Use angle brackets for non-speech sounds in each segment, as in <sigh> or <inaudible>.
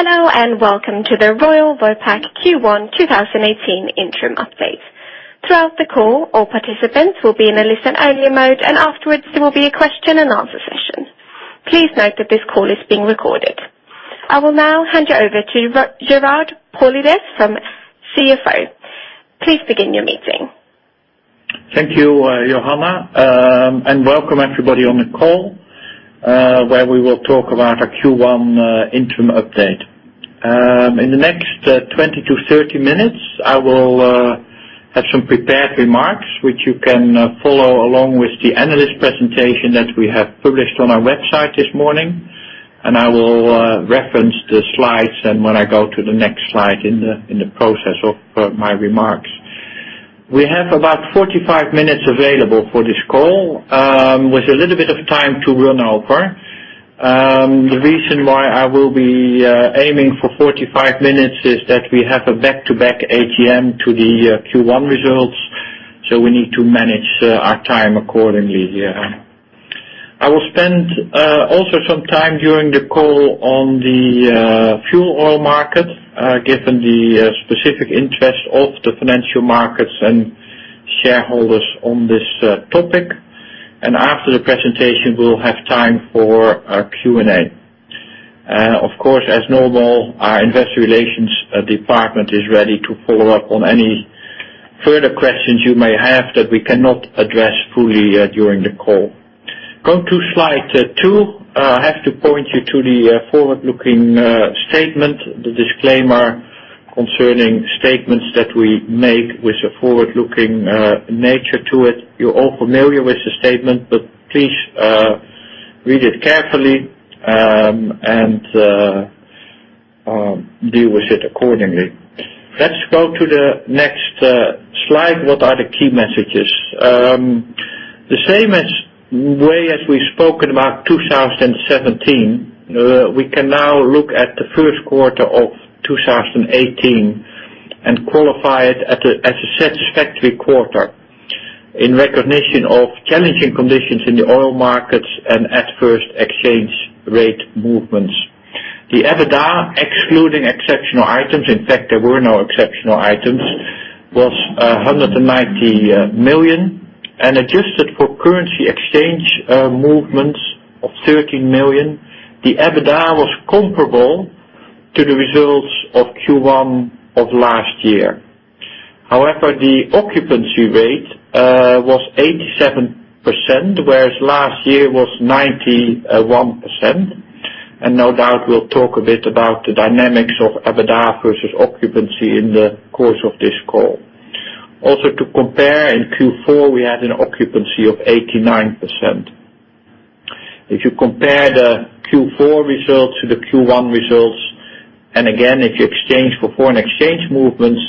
Hello. Welcome to the Royal Vopak Q1 2018 interim update. Throughout the call, all participants will be in a listen-only mode. Afterwards, there will be a question and answer session. Please note that this call is being recorded. I will now hand you over to Gerard Paulides, CFO. Please begin your meeting. Thank you, Johanna. Welcome everybody on the call, where we will talk about our Q1 interim update. In the next 20 to 30 minutes, I will have some prepared remarks, which you can follow along with the analyst presentation that we have published on our website this morning. I will reference the slides when I go to the next slide in the process of my remarks. We have about 45 minutes available for this call, with a little bit of time to run over. The reason why I will be aiming for 45 minutes is that we have a back-to-back AGM to the Q1 results. We need to manage our time accordingly. I will spend also some time during the call on the fuel oil market, given the specific interest of the financial markets and shareholders on this topic. After the presentation, we will have time for Q&A. Of course, as normal, our investor relations department is ready to follow up on any further questions you may have that we cannot address fully during the call. Go to slide two. I have to point you to the forward-looking statement, the disclaimer concerning statements that we make with a forward-looking nature to it. You are all familiar with the statement. Please read it carefully. Deal with it accordingly. Let's go to the next slide. What are the key messages? The same way as we spoken about 2017, we can now look at the first quarter of 2018 and qualify it as a satisfactory quarter in recognition of challenging conditions in the oil markets and adverse exchange rate movements. The EBITDA, excluding exceptional items, in fact, there were no exceptional items, was 190 million. Adjusted for currency exchange movements of 13 million, the EBITDA was comparable to the results of Q1 of last year. However, the occupancy rate was 87%, whereas last year it was 91%. No doubt, we will talk a bit about the dynamics of EBITDA versus occupancy in the course of this call. Also to compare, in Q4, we had an occupancy of 89%. If you compare the Q4 results to the Q1 results, again, if you exchange for foreign exchange movements,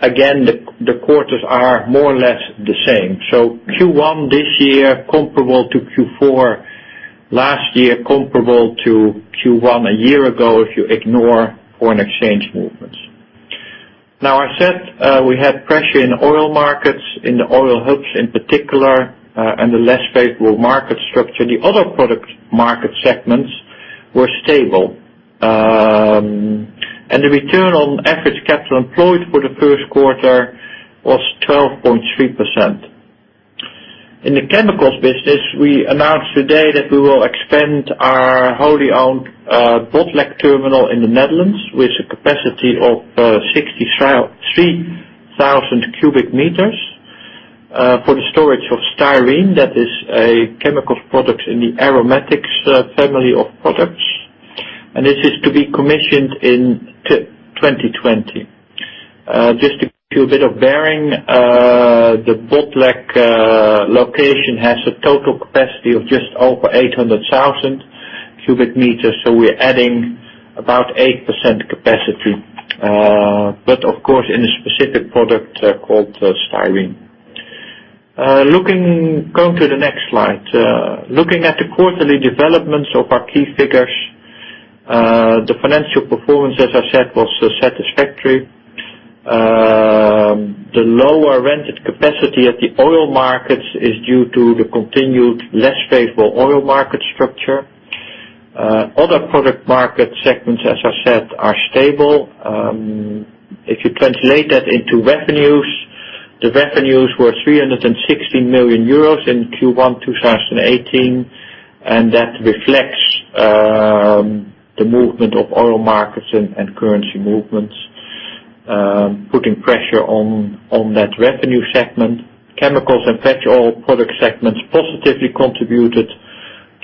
again, the quarters are more or less the same. Q1 this year comparable to Q4 last year, comparable to Q1 a year ago if you ignore foreign exchange movements. Now, I said we had pressure in the oil markets, in the oil hubs in particular, and a less favorable market structure. The other product market segments were stable. The return on average capital employed for the first quarter was 12.3%. In the chemicals business, we announced today that we will expand our wholly-owned Botlek terminal in the Netherlands with a capacity of 63,000 cubic meters, for the storage of styrene, that is a chemical product in the aromatics family of products. This is to be commissioned in 2020. Just to give you a bit of bearing, the Botlek location has a total capacity of just over 800,000 cubic meters, so we're adding about 8% capacity. Of course, in a specific product called styrene. Going to the next slide. Looking at the quarterly developments of our key figures, the financial performance, as I said, was satisfactory. The lower rented capacity at the oil markets is due to the continued less favorable oil market structure. Other product market segments, as I said, are stable. If you translate that into revenues, the revenues were 316 million euros in Q1 2018, that reflects the movement of oil markets and currency movements, putting pressure on that revenue segment. Chemicals and petrol product segments positively contributed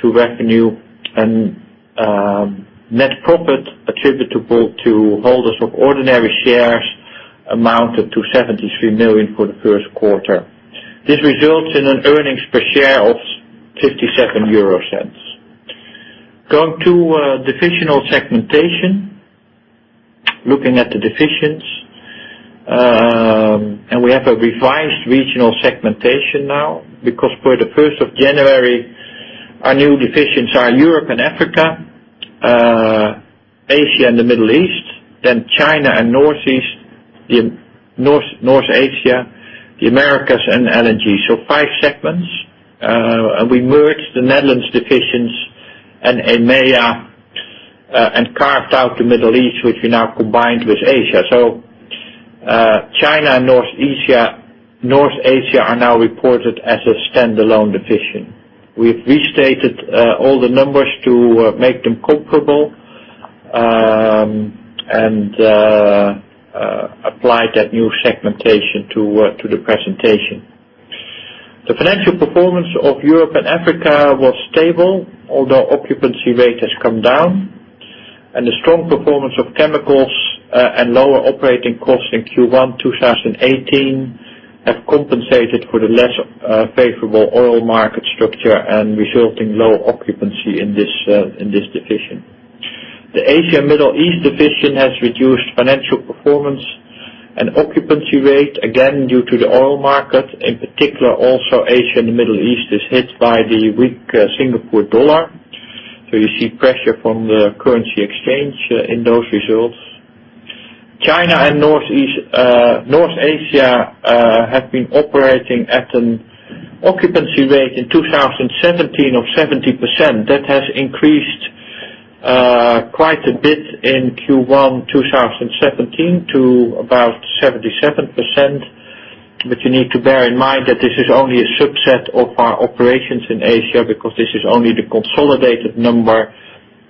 to revenue and net profit attributable to holders of ordinary shares amounted to 73 million for the first quarter. This results in an earnings per share of 0.57. Going to divisional segmentation. Looking at the divisions. We have a revised regional segmentation now, because for the 1st of January, our new divisions are Europe and Africa, Asia and the Middle East, China and North Asia, the Americas, and LNG. So five segments. We merged the Netherlands divisions and EMEA, and carved out the Middle East, which we now combined with Asia. China and North Asia are now reported as a standalone division. We've restated all the numbers to make them comparable, applied that new segmentation to the presentation. The financial performance of Europe and Africa was stable, although occupancy rate has come down. The strong performance of chemicals, and lower operating costs in Q1 2018 have compensated for the less favorable oil market structure and resulting lower occupancy in this division. The Asia & Middle East division has reduced financial performance and occupancy rate, again, due to the oil market. In particular, also Asia and the Middle East is hit by the weak Singapore dollar. You see pressure from the currency exchange in those results. China and North Asia have been operating at an occupancy rate in 2017 of 70%. That has increased quite a bit in Q1 2017 to about 77%. You need to bear in mind that this is only a subset of our operations in Asia because this is only the consolidated number,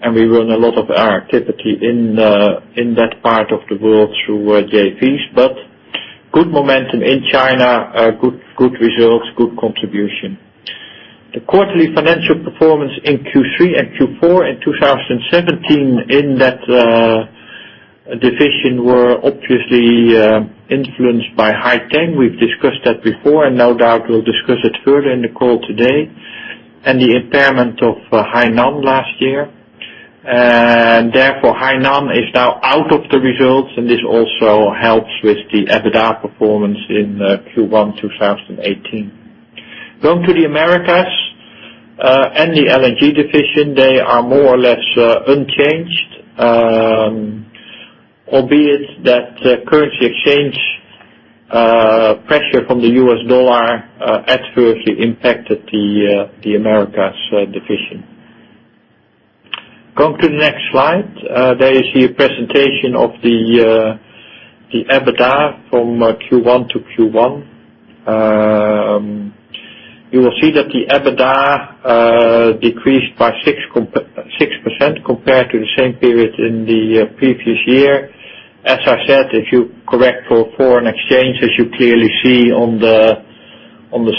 and we run a lot of our activity in that part of the world through JVs. Good momentum in China, good results, good contribution. The quarterly financial performance in Q3 and Q4 in 2017 in that division were obviously influenced by Haiteng. We've discussed that before, no doubt we'll discuss it further in the call today. The impairment of Hainan last year. Therefore, Hainan is now out of the results, and this also helps with the EBITDA performance in Q1 2018. Going to the Americas, the LNG division, they are more or less unchanged, albeit that currency exchange pressure from the US dollar adversely impacted the Americas division. Going to the next slide. There you see a presentation of the EBITDA from Q1 to Q1. You will see that the EBITDA decreased by 6% compared to the same period in the previous year. As I said, if you correct for foreign exchange, as you clearly see on the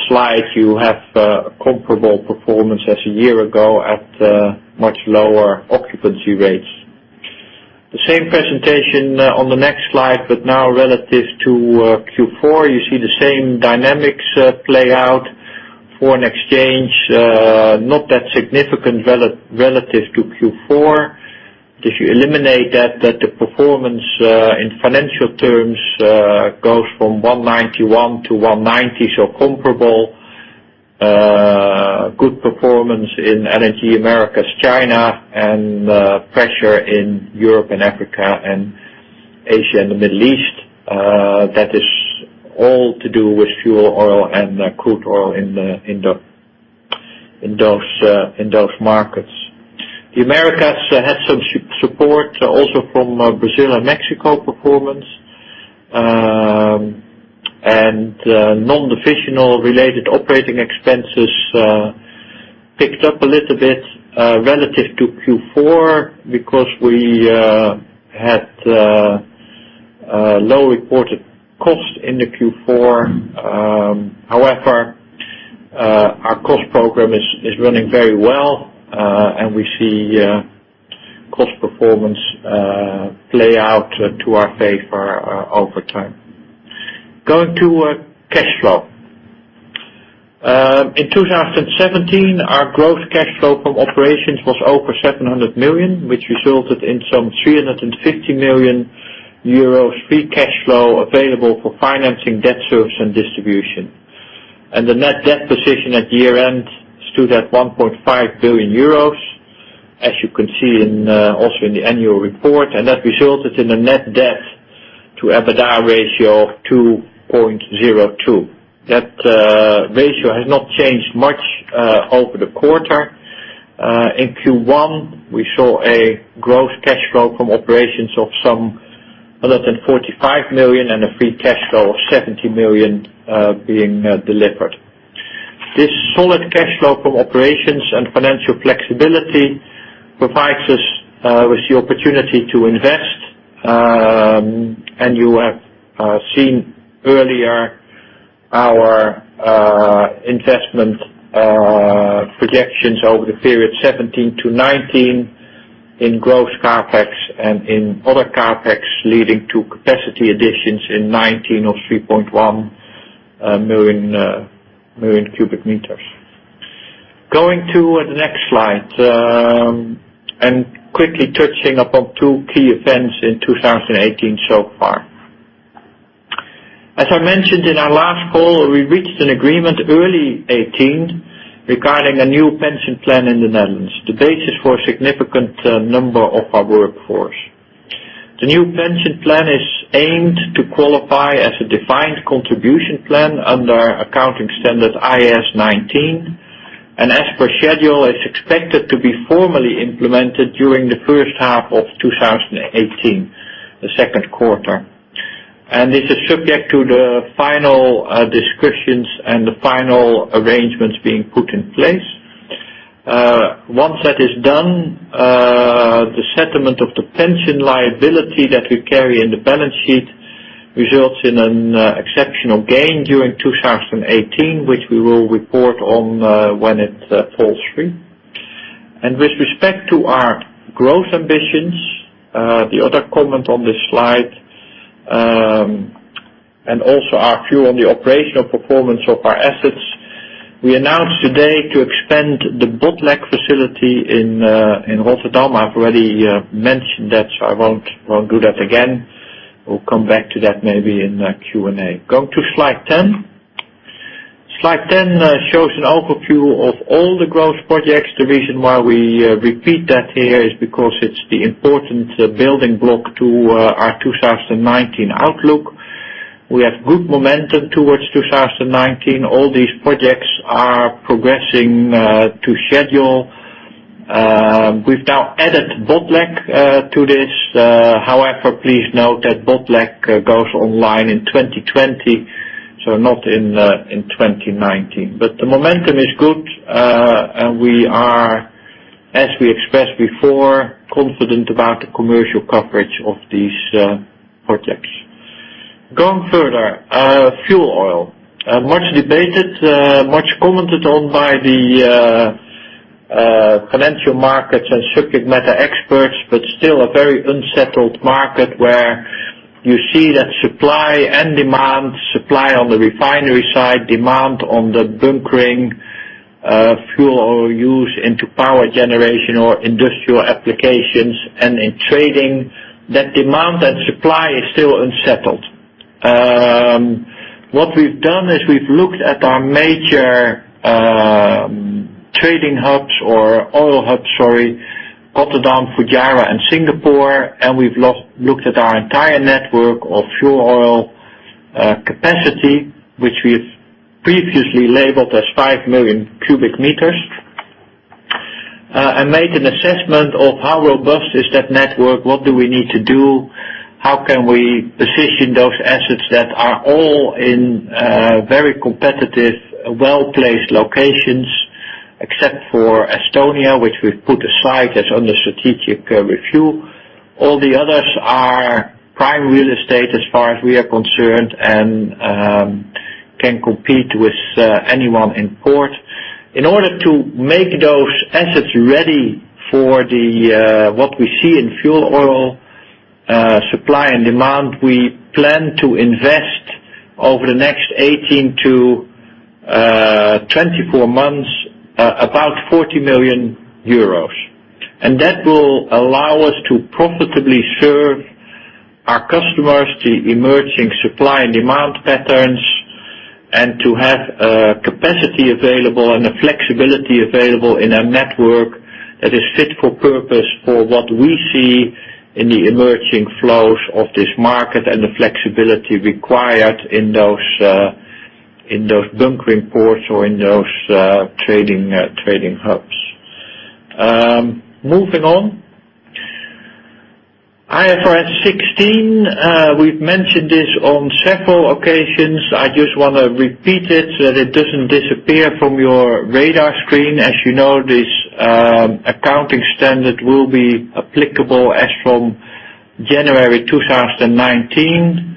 slide, you have a comparable performance as a year ago at much lower occupancy rates. The same presentation on the next slide, but now relative to Q4. You see the same dynamics play out. Foreign exchange, not that significant relative to Q4. If you eliminate that, the performance in financial terms, goes from 191 to 190, so comparable. Good performance in LNG, Americas, China, and pressure in Europe & Africa and Asia & Middle East. Is all to do with fuel oil and crude oil in those markets. The Americas had some support also from Brazil and Mexico performance. Non-divisional related operating expenses picked up a little bit relative to Q4 because we had low reported cost in the Q4. However, our cost program is running very well, and we see cost performance play out to our favor over time. Going to cash flow. In 2017, our gross cash flow from operations was over 700 million, which resulted in some 350 million euros free cash flow available for financing debt service and distribution. The net debt position at year-end stood at 1.5 billion euros, as you can see also in the annual report, and that resulted in a net debt to EBITDA ratio of 2.02. That ratio has not changed much over the quarter. In Q1, we saw a gross cash flow from operations of some 145 million and a free cash flow of 70 million being delivered. This solid cash flow from operations and financial flexibility provides us with the opportunity to invest. You have seen earlier our investment projections over the period 2017 to 2019 in gross CapEx and in other CapEx, leading to capacity additions in 2019 of 3.1 million cubic meters. Going to the next slide, quickly touching upon two key events in 2018 so far. As I mentioned in our last call, we reached an agreement early 2018 regarding a new pension plan in the Netherlands. The base is for a significant number of our workforce. The new pension plan is aimed to qualify as a defined contribution plan under accounting standard IAS 19, and as per schedule, is expected to be formally implemented during the first half of 2018, the second quarter. This is subject to the final discussions and the final arrangements being put in place. Once that is done, the settlement of the pension liability that we carry in the balance sheet results in an exceptional gain during 2018, which we will report on when it falls through. With respect to our growth ambitions, the other comment on this slide, and also our view on the operational performance of our assets, we announced today to expand the Botlek facility in Rotterdam. I've already mentioned that, so I won't do that again. We'll come back to that maybe in Q&A. Go to slide 10. Slide 10 shows an overview of all the growth projects. The reason why we repeat that here is because it's the important building block to our 2019 outlook. We have good momentum towards 2019. All these projects are progressing to schedule. We've now added Botlek to this. However, please note that Botlek goes online in 2020, so not in 2019. The momentum is good. We are, as we expressed before, confident about the commercial coverage of these projects. Going further. Fuel oil. Much debated, much commented on by the financial markets and subject matter experts, still a very unsettled market where you see that supply and demand, supply on the refinery side, demand on the bunkering fuel oil use into power generation or industrial applications and in trading, that demand and supply is still unsettled. What we've done is we've looked at our major trading hubs or oil hubs, sorry, Rotterdam, Fujairah, and Singapore. We've looked at our entire network of fuel oil capacity, which we've previously labeled as 5 million cubic meters, and made an assessment of how robust is that network, what do we need to do? How can we position those assets that are all in very competitive, well-placed locations, except for Estonia, which we've put aside as under strategic review. All the others are prime real estate as far as we are concerned and can compete with anyone in port. In order to make those assets ready for what we see in fuel oil supply and demand, we plan to invest over the next 18-24 months, about 40 million euros. That will allow us to profitably serve our customers, the emerging supply and demand patterns, and to have capacity available and the flexibility available in a network that is fit for purpose for what we see in the emerging flows of this market and the flexibility required in those bunkering ports or in those trading hubs. Moving on. IFRS 16. We've mentioned this on several occasions. I just want to repeat it so that it doesn't disappear from your radar screen. As you know, this accounting standard will be applicable as from January 2019.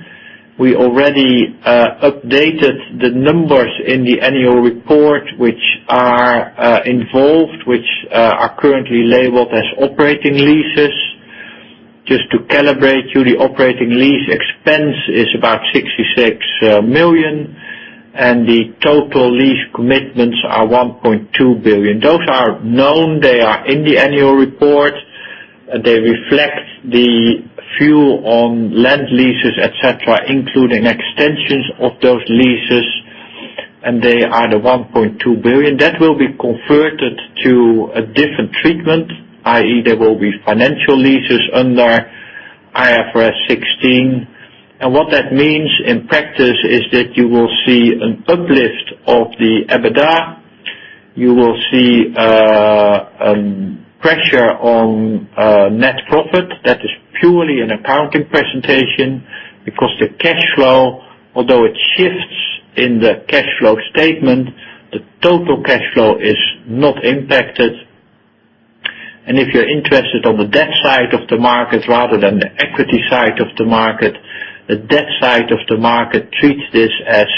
We already updated the numbers in the annual report, which are involved, which are currently labeled as operating leases. Just to calibrate you, the operating lease expense is about 66 million, and the total lease commitments are 1.2 billion. Those are known. They are in the annual report. They reflect the fuel oil land leases, et cetera, including extensions of those leases, and they are the 1.2 billion. That will be converted to a different treatment, i.e., there will be financial leases under IFRS 16. What that means in practice is that you will see an uplift of the EBITDA. You will see pressure on net profit. That is purely an accounting presentation because the cash flow, although it shifts in the cash flow statement, the total cash flow is not impacted. If you're interested on the debt side of the market rather than the equity side of the market, the debt side of the market treats this as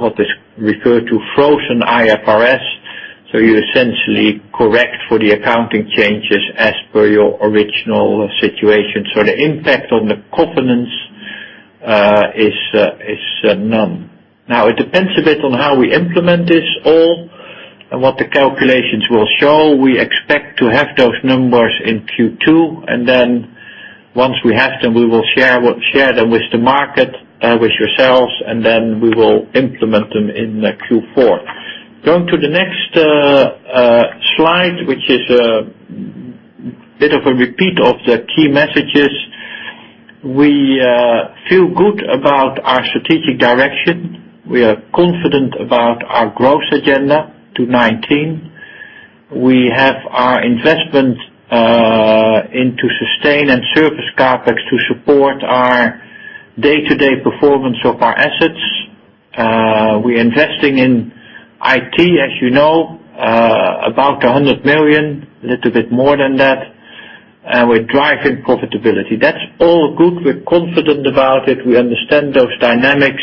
what is referred to frozen IFRS. You essentially correct for the accounting changes as per your original situation. The impact on the covenants is none. Now, it depends a bit on how we implement this all. What the calculations will show, we expect to have those numbers in Q2, and then once we have them, we will share them with the market, with yourselves, and then we will implement them in Q4. Going to the next slide, which is a bit of a repeat of the key messages. We feel good about our strategic direction. We are confident about our growth agenda to 2019. We have our investment into sustain and service CapEx to support our day-to-day performance of our assets. We are investing in IT, as you know, about 100 million, a little bit more than that, and we're driving profitability. That's all good. We're confident about it. We understand those dynamics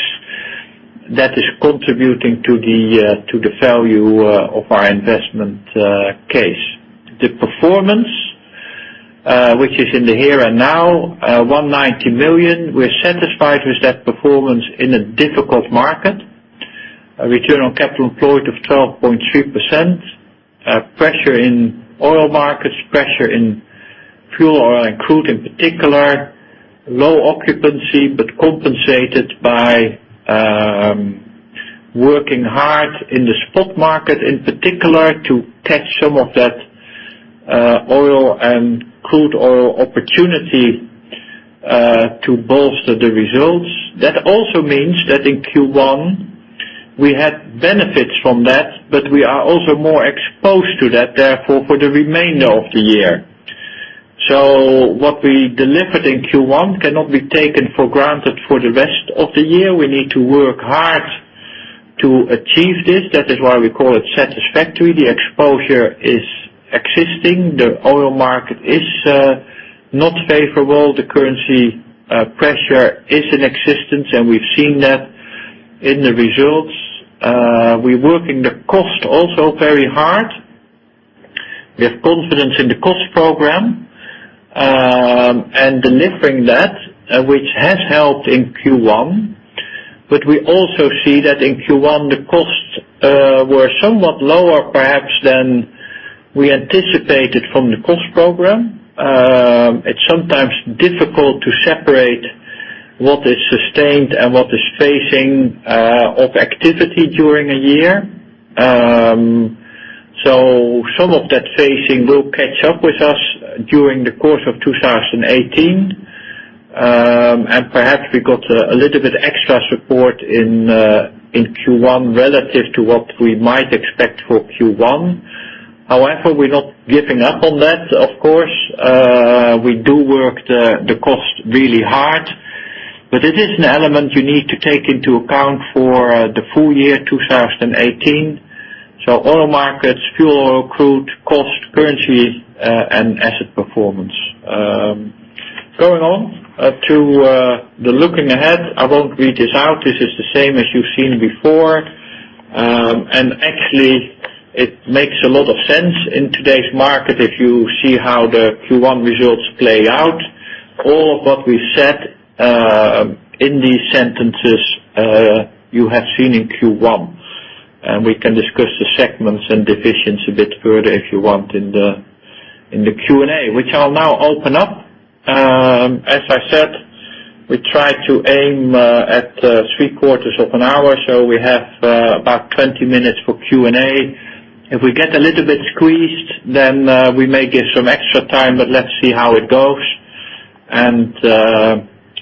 that is contributing to the value of our investment case. The performance, which is in the here and now, 190 million. We're satisfied with that performance in a difficult market. A return on capital employed of 12.3%. Pressure in oil markets, pressure in fuel oil and crude in particular. Low occupancy, but compensated by working hard in the spot market, in particular, to catch some of that oil and crude oil opportunity to bolster the results. That also means that in Q1, we had benefits from that, but we are also more exposed to that, therefore, for the remainder of the year. What we delivered in Q1 cannot be taken for granted for the rest of the year. We need to work hard to achieve this. That is why we call it satisfactory. The exposure is existing. The oil market is not favorable. The currency pressure is in existence, and we've seen that in the results. We're working the cost also very hard. We have confidence in the cost program and delivering that, which has helped in Q1. We also see that in Q1, the costs were somewhat lower, perhaps, than we anticipated from the cost program. It's sometimes difficult to separate what is sustained and what is phasing of activity during a year. Some of that phasing will catch up with us during the course of 2018. Perhaps we got a little bit extra support in Q1 relative to what we might expect for Q1. However, we're not giving up on that, of course. We do work the cost really hard. It is an element you need to take into account for the full year 2018. Oil markets, fuel oil, crude, cost, currency, and asset performance. Going on to the looking ahead. I won't read this out. This is the same as you've seen before. Actually, it makes a lot of sense in today's market if you see how the Q1 results play out. All of what we said in these sentences, you have seen in Q1. We can discuss the segments and divisions a bit further if you want in the Q&A, which I'll now open up. As I said, we try to aim at three quarters of an hour, so we have about 20 minutes for Q&A. If we get a little bit squeezed, we may get some extra time, but let's see how it goes.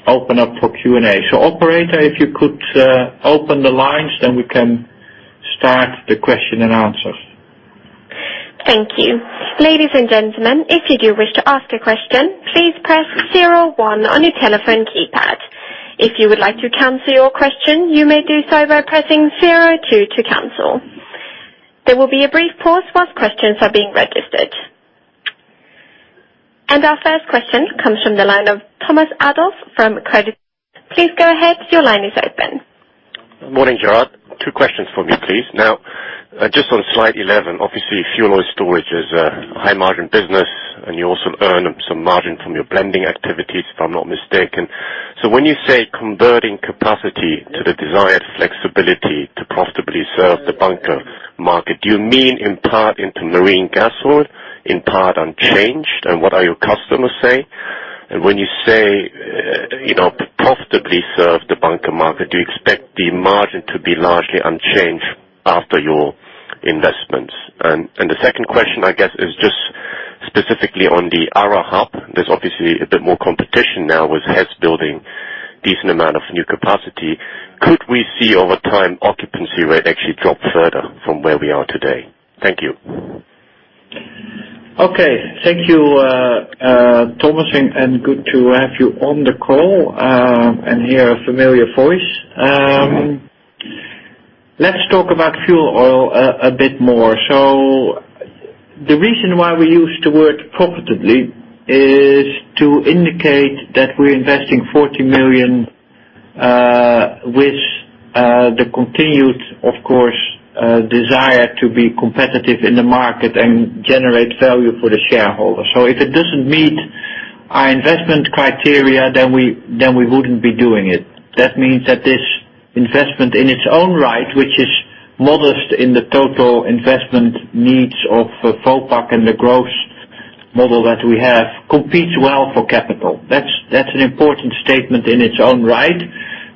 Open up for Q&A. Operator, if you could open the lines, we can start the question and answers. Thank you. Ladies and gentlemen, if you do wish to ask a question, please press 01 on your telephone keypad. If you would like to cancel your question, you may do so by pressing 02 to cancel. There will be a brief pause whilst questions are being registered. Our first question comes from the line of Thomas Adolff from Credit Suisse. Please go ahead. Your line is open. Morning, Gerard. Two questions for me, please. Just on slide 11, obviously, fuel oil storage is a high margin business and you also earn some margin from your blending activities, if I'm not mistaken. When you say converting capacity to the desired flexibility to profitably serve the bunker market, do you mean in part into marine gas oil, in part unchanged? What are your customers say? When you say, profitably serve the bunker market, do you expect the margin to be largely unchanged after your investments? The second question, I guess, is just specifically on the ARA hub. There's obviously a bit more competition now with Hess building decent amount of new capacity. Could we see over time occupancy rate actually drop further from where we are today? Thank you. Thank you, Thomas, and good to have you on the call and hear a familiar voice. Let's talk about fuel oil a bit more. The reason why we use the word profitably is to indicate that we're investing 40 million with the continued, of course, desire to be competitive in the market and generate value for the shareholder. If it doesn't meet our investment criteria, then we wouldn't be doing it. That means that this investment in its own right, which is modest in the total investment needs of Vopak and the growth model that we have, competes well for capital. That's an important statement in its own right,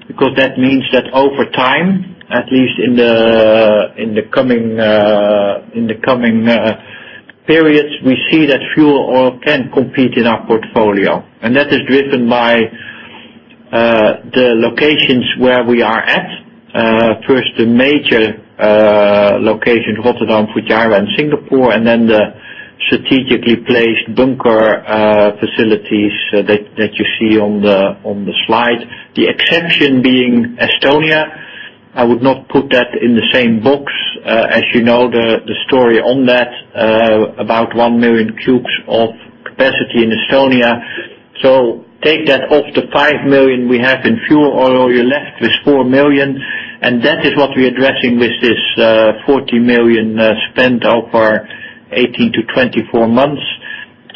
because that means that over time, at least in the coming periods, we see that fuel oil can compete in our portfolio. That is driven by the locations where we are at. First, the major locations, Rotterdam, Fujairah, and Singapore, then the strategically placed bunker facilities that you see on the slide. The exception being Estonia. I would not put that in the same box. As you know, the story on that, about 1 million cubes of capacity in Estonia. Take that off the 5 million we have in fuel oil, you're left with 4 million, and that is what we're addressing with this 40 million spend over 18-24 months.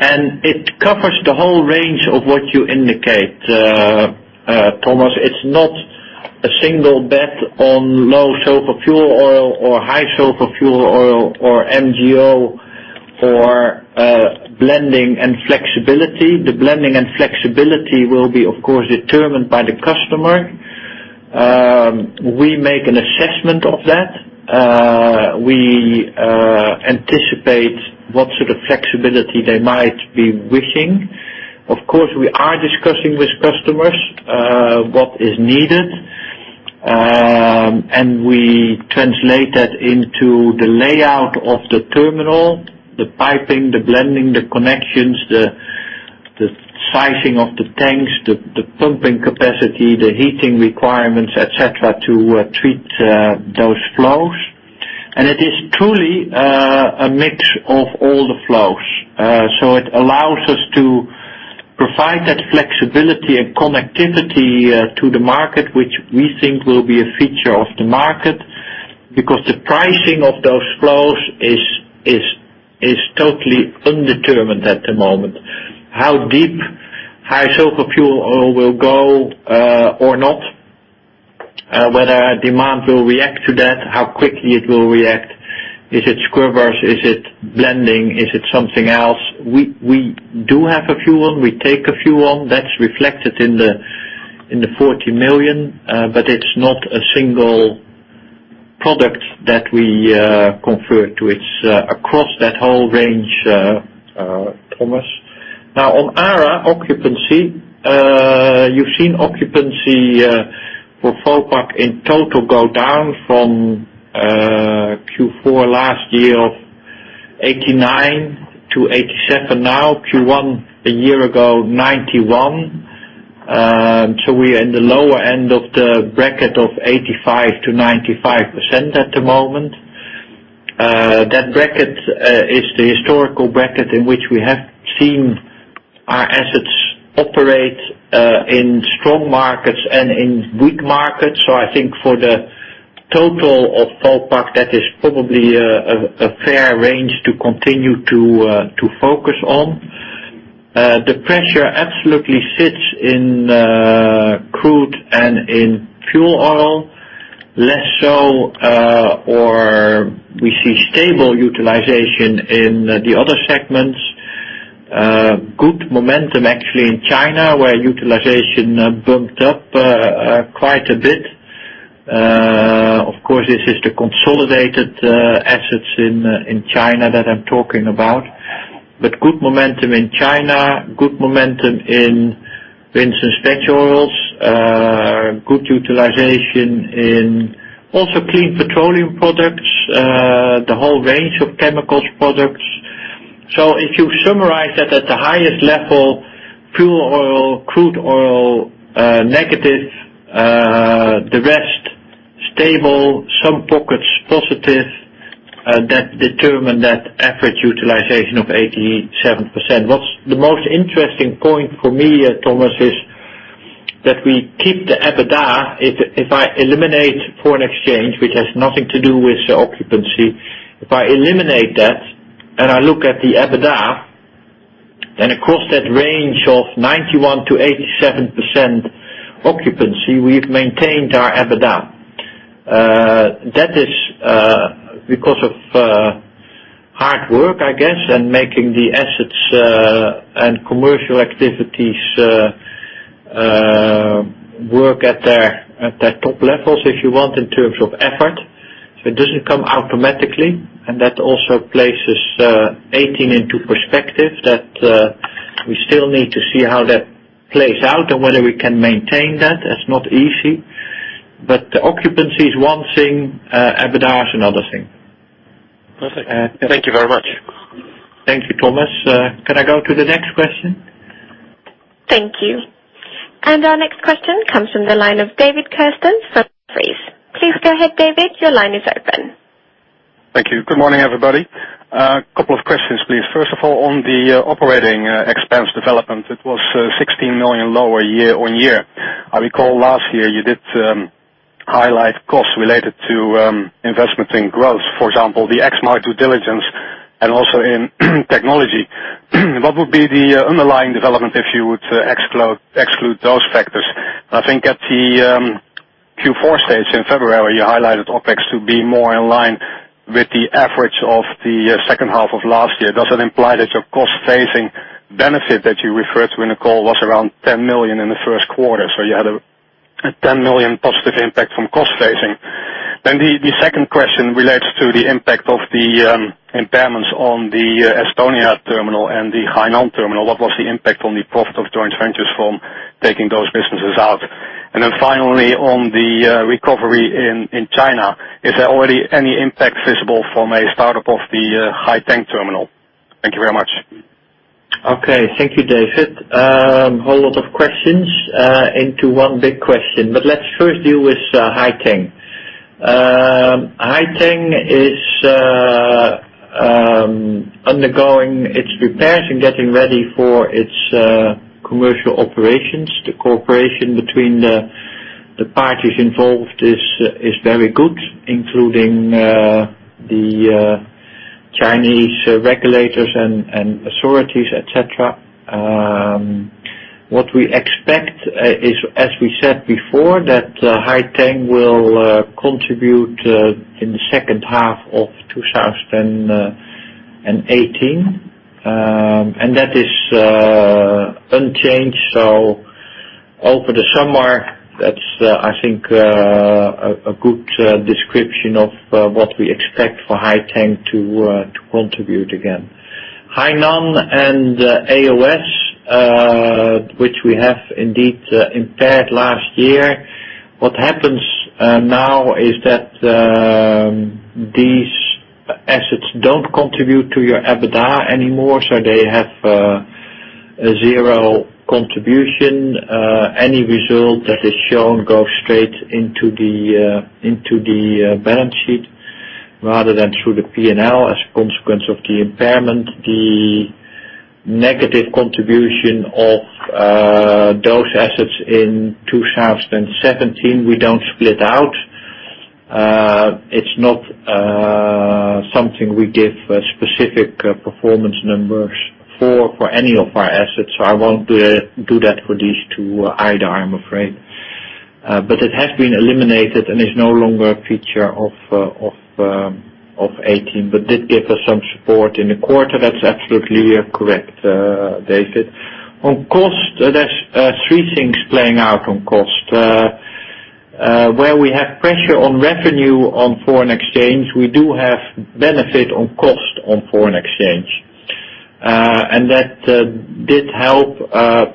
It covers the whole range of what you indicate, Thomas. It's not a single bet on low sulfur fuel oil or high sulfur fuel oil or MGO or blending and flexibility. The blending and flexibility will be, of course, determined by the customer. We make an assessment of that. We anticipate what sort of flexibility they might be wishing. Of course, we are discussing with customers what is needed. We translate that into the layout of the terminal, the piping, the blending, the connections, the sizing of the tanks, the pumping capacity, the heating requirements, et cetera, to treat those flows. It is truly a mix of all the flows. It allows us to provide that flexibility and connectivity to the market, which we think will be a feature of the market because the pricing of those flows is totally undetermined at the moment. How deep high sulfur fuel oil will go or not, whether demand will react to that, how quickly it will react. Is it scrubbers? Is it blending? Is it something else? We do have a few on, we take a few on. That's reflected in the 40 million. It's not a single product that we convert to. It's across that whole range, Thomas. Now, on ARA occupancy. You've seen occupancy for Vopak in total go down from Q4 last year of 89% to 87% now. Q1 a year ago, 91%. We are in the lower end of the bracket of 85%-95% at the moment. That bracket is the historical bracket in which we have seen our assets operate, in strong markets and in weak markets. I think for the total of Vopak, that is probably a fair range to continue to focus on. The pressure absolutely sits in crude and in fuel oil. Less so, or we see stable utilization in the other segments. Good momentum actually in China, where utilization bumped up quite a bit. Of course, this is the consolidated assets in China that I'm talking about. Good momentum in China, good momentum in (Winston fetch oils). Good utilization in also clean petroleum products, the whole range of chemicals products. If you summarize that at the highest level, fuel oil, crude oil, negative. The rest, stable, some pockets positive, that determine that average utilization of 87%. What's the most interesting point for me, Thomas, is that we keep the EBITDA. If I eliminate foreign exchange, which has nothing to do with the occupancy, if I eliminate that and I look at the EBITDA, then across that range of 91% to 87% occupancy, we've maintained our EBITDA. That is because of hard work, I guess, and making the assets and commercial activities work at their top levels, if you want, in terms of effort. It doesn't come automatically. That also places 2018 into perspective that we still need to see how that plays out and whether we can maintain that. It's not easy. Occupancy is one thing, EBITDA is another thing. Perfect. Thank you very much. Thank you, Thomas. Can I go to the next question? Thank you. Our next question comes from the line of David Kerstens from Jefferies. Please go ahead, David. Your line is open. Thank you. Good morning, everybody. A couple of questions, please. First of all, on the operating expense development, it was 16 million lower year-on-year. I recall last year you did highlight costs related to investment in growth. For example, the (ex market) due diligence and also in technology. What would be the underlying development if you would exclude those factors? I think at the Q4 stage in February, you highlighted OpEx to be more in line with the average of the second half of last year. Does that imply that your cost-phasing benefit that you referred to in the call was around 10 million in the first quarter? You had a 10 million positive impact from cost phasing. The second question relates to the impact of the impairments on the E.O.S. terminal and the Haiteng terminal. What was the impact on the profit of joint ventures from taking those businesses out? Finally on the recovery in China, is there already any impact visible from a startup of the Haiteng terminal? Thank you very much. Okay. Thank you, David. A whole lot of questions into one big question. Let's first deal with Haiteng. Haiteng is undergoing its repairs and getting ready for its commercial operations. The cooperation between the parties involved is very good, including the Chinese regulators and authorities, et cetera. We expect, as we said before, that Haiteng will contribute in the second half of 2018, that is unchanged. Over the summer, that's, I think, a good description of what we expect for Haiteng to contribute again. Hainan and E.O.S., which we have indeed impaired last year. These assets don't contribute to your EBITDA anymore, so they have a zero contribution. Any result that is shown goes straight into the balance sheet rather than through the P&L as a consequence of the impairment. The negative contribution of those assets in 2017, we don't split out. It's not something we give specific performance numbers for any of our assets. I won't do that for these two either, I'm afraid. It has been eliminated and is no longer a feature of 2018, did give us some support in the quarter. That's absolutely correct, David. On cost, there's three things playing out. Where we have pressure on revenue on foreign exchange, we do have benefit on cost on foreign exchange. That did help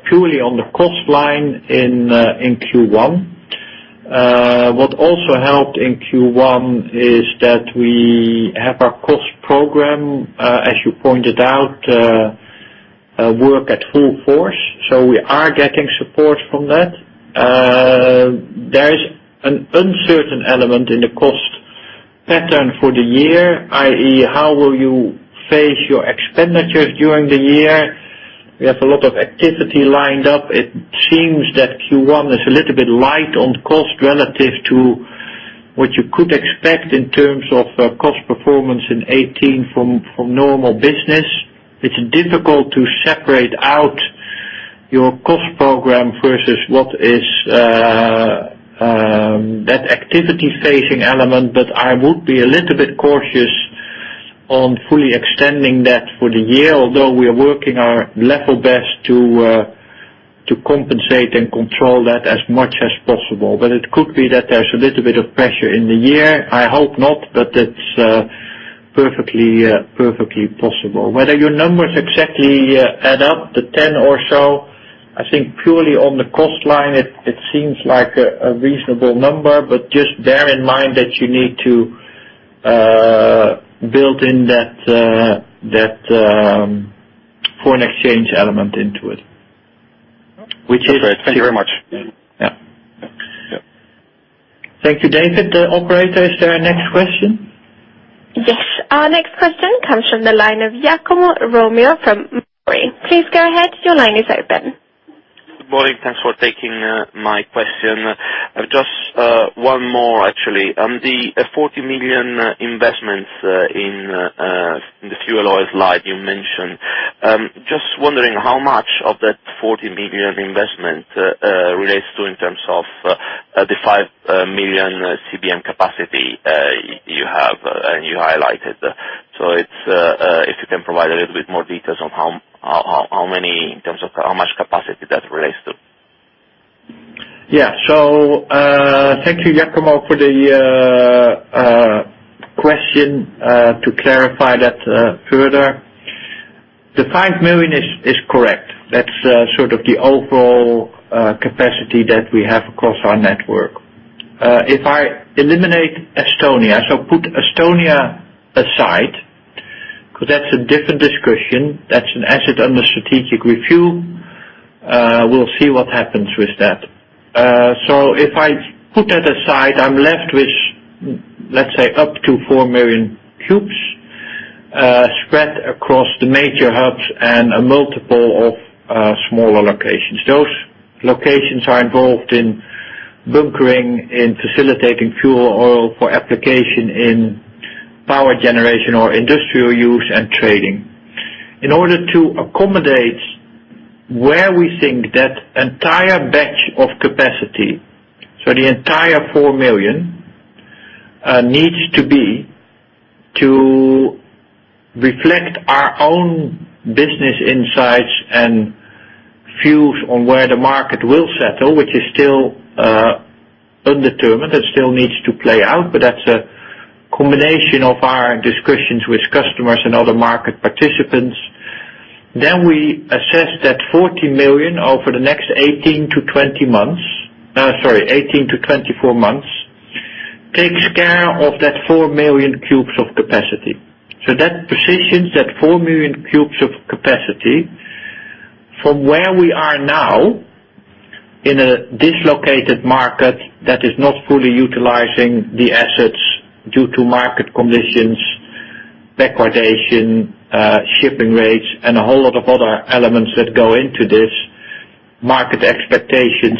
purely on the cost line in Q1. We have our cost program, as you pointed out, work at full force. We are getting support from that. There is an uncertain element in the cost pattern for the year, i.e., how will you phase your expenditures during the year? We have a lot of activity lined up. It seems that Q1 is a little bit light on cost relative to what you could expect in terms of cost performance in 2018 from normal business. It's difficult to separate out your cost program versus what is that activity phasing element. I would be a little bit cautious on fully extending that for the year, although we are working our level best to compensate and control that as much as possible. It could be that there's a little bit of pressure in the year. I hope not, but it's perfectly possible. Whether your numbers exactly add up to 10 or so, I think purely on the cost line, it seems like a reasonable number, just bear in mind that you need to build in that foreign exchange element into it. Okay. Thank you very much. Yeah. Yeah. Thank you, David. Operator, is there a next question? Yes. Our next question comes from the line of Giacomo Romeo from. Please go ahead. Your line is open. Good morning. Thanks for taking my question. Just one more, actually. On the 40 million investments in the fuel oils line you mentioned. Just wondering how much of that 40 million investment relates to in terms of the 5 million CBM capacity you have and you highlighted. If you can provide a little bit more details on how much capacity that relates to. Yeah. Thank you Giacomo for the question to clarify that further. The 5 million is correct. That's sort of the overall capacity that we have across our network. If I eliminate Estonia, put Estonia aside, because that's a different discussion. That's an asset under strategic review. We'll see what happens with that. If I put that aside, I'm left with, let's say up to 4 million cubes spread across the major hubs and a multiple of smaller locations. Those locations are involved in bunkering, in facilitating fuel oil for application in power generation or industrial use and trading. In order to accommodate where we think that entire batch of capacity, the entire 4 million, needs to be to reflect our own business insights and views on where the market will settle, which is still undetermined. That still needs to play out, but that's a combination of our discussions with customers and other market participants. We assess that 40 million over the next 18-24 months, takes care of that 4 million cubes of capacity. That positions that 4 million cubes of capacity from where we are now, in a dislocated market that is not fully utilizing the assets due to market conditions, backwardation, shipping rates, and a whole lot of other elements that go into this, market expectations.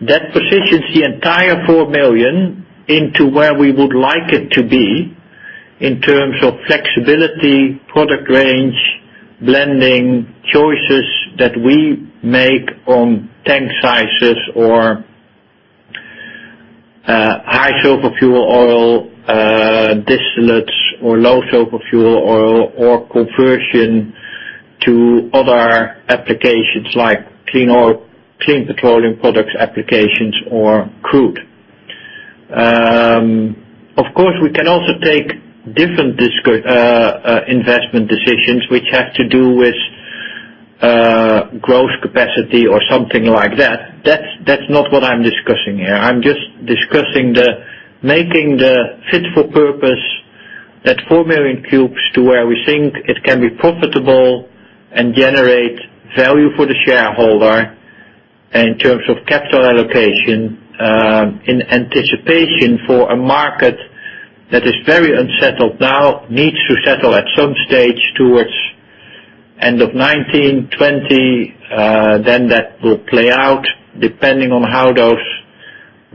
That positions the entire 4 million into where we would like it to be in terms of flexibility, product range, blending, choices that we make on tank sizes or high sulfur fuel oil, distillates or low sulfur fuel oil or conversion to other applications like clean petroleum products applications or crude. Of course, we can also take different investment decisions, which have to do with growth capacity or something like that. That's not what I'm discussing here. I'm just discussing the making the fit for purpose that 4 million cubes to where we think it can be profitable and generate value for the shareholder in terms of capital allocation, in anticipation for a market that is very unsettled now, needs to settle at some stage towards end of 2019, 2020, that will play out depending on how those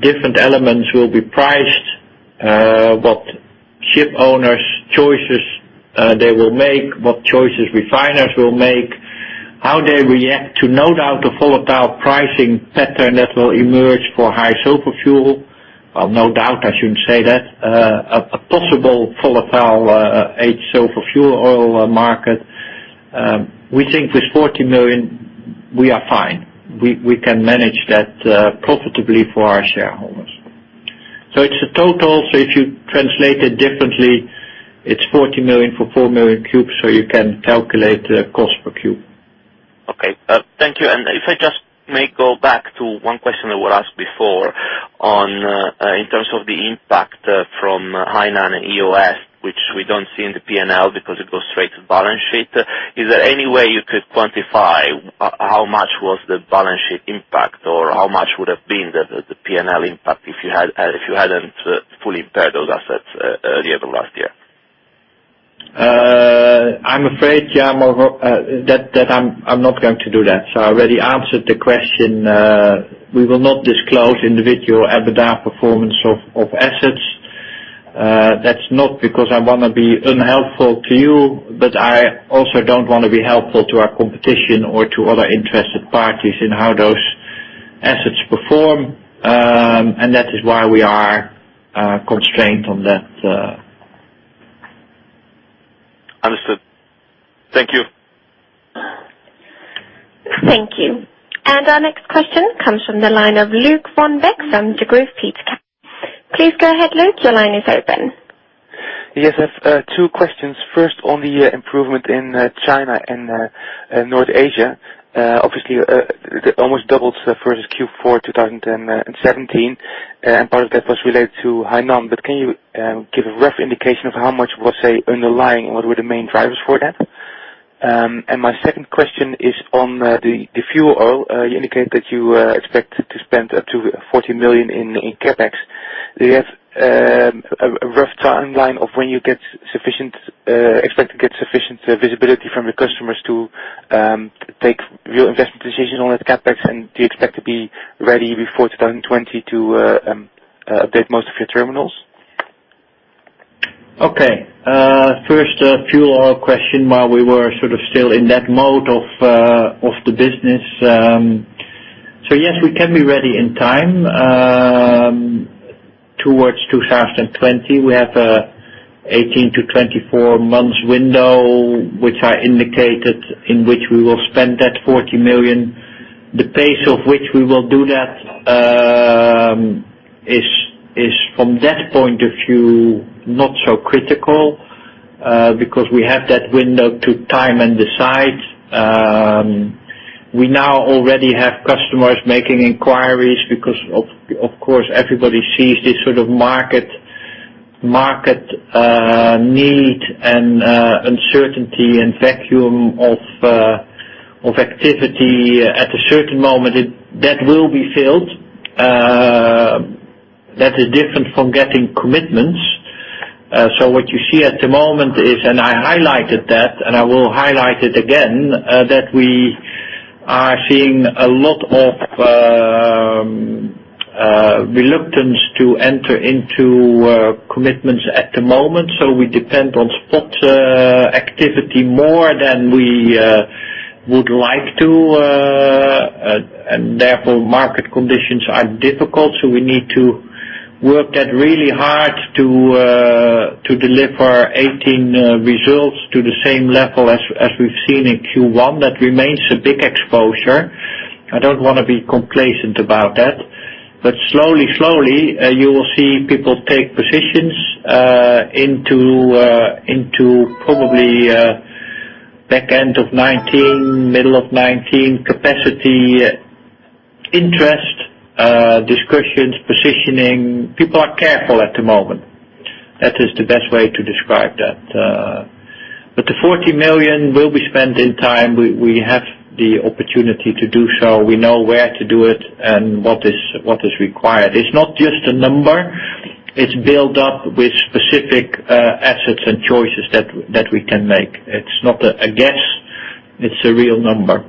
different elements will be priced, what ship owners choices they will make, what choices refiners will make, how they react to no doubt the volatile pricing pattern that will emerge for high sulfur fuel. No doubt, I shouldn't say that. A possible volatile, high sulfur fuel oil market. We think with 40 million, we are fine. We can manage that profitably for our shareholders. It's a total. If you translate it differently, it's 40 million for 4 million cubes, you can calculate the cost per cube. Okay. Thank you. If I just may go back to one question that was asked before, in terms of the impact from Hainan and E.O.S., which we don't see in the P&L because it goes straight to the balance sheet. Is there any way you could quantify how much was the balance sheet impact or how much would have been the P&L impact if you hadn't fully impaired those assets earlier the last year? I'm afraid, Giacomo, that I'm not going to do that. I already answered the question. We will not disclose individual EBITDA performance of assets. That's not because I want to be unhelpful to you, but I also don't want to be helpful to our competition or to other interested parties in how those assets perform. That is why we are constrained on that. Understood. Thank you. Thank you. Our next question comes from the line of Luuk van Beek from Degroof Petercam. Please go ahead, Luuk. Your line is open. Yes. I have two questions. First, on the improvement in China and North Asia. Obviously, almost doubled versus Q4 2017, and part of that was related to Hainan. Can you give a rough indication of how much was underlying? What were the main drivers for that? My second question is on the fuel oil. You indicate that you expect to spend up to 40 million in CapEx. Do you have a rough timeline of when you expect to get sufficient visibility from your customers to take real investment decision on that CapEx? Do you expect to be ready before 2020 to update most of your terminals? Okay. First, fuel oil question, while we were sort of still in that mode of the business. Yes, we can be ready in time towards 2020. We have an 18-24 months window, which I indicated, in which we will spend that 40 million. The pace of which we will do that is from that point of view, not so critical, because we have that window to time and decide. We now already have customers making inquiries because, of course, everybody sees this sort of market need and uncertainty and vacuum of activity at a certain moment that will be filled. That is different from getting commitments. What you see at the moment is, and I highlighted that, and I will highlight it again, that we are seeing a lot of reluctance to enter into commitments at the moment. We depend on spot activity more than we would like to. Therefore, market conditions are difficult, so we need to work really hard to deliver 2018 results to the same level as we've seen in Q1. That remains a big exposure. I don't want to be complacent about that. Slowly you will see people take positions into probably back end of 2019, middle of 2019, capacity interest, discussions, positioning. People are careful at the moment. That is the best way to describe that. The 40 million will be spent in time. We have the opportunity to do so. We know where to do it and what is required. It's not just a number. It's built up with specific assets and choices that we can make. It's not a guess, it's a real number.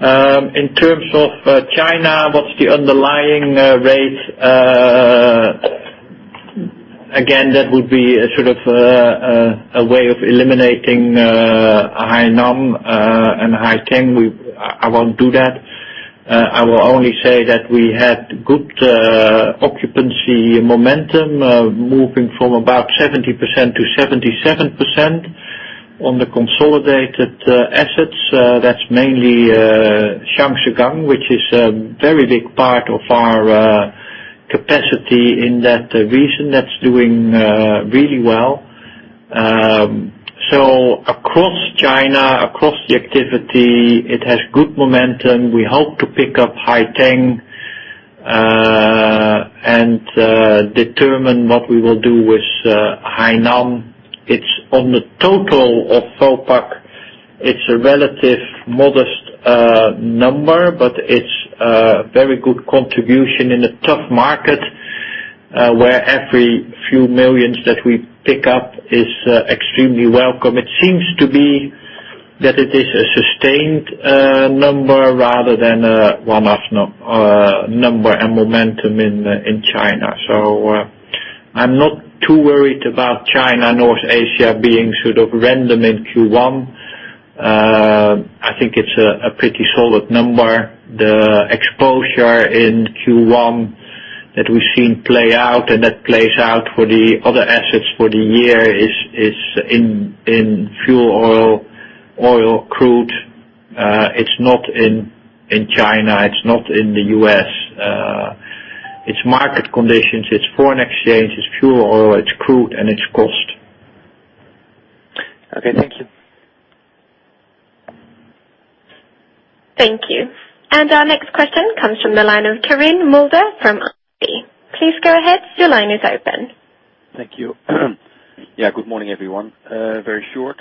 In terms of China, what's the underlying rate? Again, that would be a way of eliminating Hainan and Haiteng. I won't do that. I will only say that we had good occupancy momentum, moving from about 70% to 77% on the consolidated assets. That's mainly Zhangjiagang, which is a very big part of our capacity in that region, that's doing really well. Across China, across the activity, it has good momentum. We hope to pick up Haiteng, and determine what we will do with Hainan. It's on the total of Vopak, it's a relative modest number, but it's a very good contribution in a tough market, where every few millions that we pick up is extremely welcome. It seems to be that it is a sustained number rather than a one-off number and momentum in China. I'm not too worried about China and North Asia being sort of random in Q1. I think it's a pretty solid number. The exposure in Q1 that we've seen play out and that plays out for the other assets for the year is in fuel oil, crude. It's not in China, it's not in the U.S. It's market conditions, it's foreign exchange, it's fuel oil, it's crude, and it's cost. Okay. Thank you. Thank you. Our next question comes from the line of Carine Mulder from. <inaudible> Please go ahead. Your line is open. Thank you. Good morning, everyone. Very short.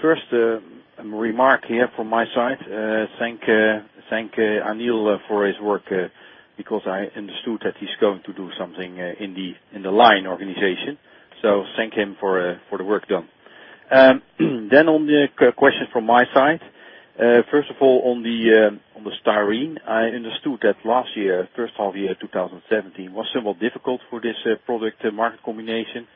First, a remark here from my side. Thank Anil for his work, because I understood that he's going to do something in the line organization. Thank him for the work done. On the questions from my side. First of all, on the styrene, I understood that last year, first half year 2017, was somewhat difficult for this product market combination.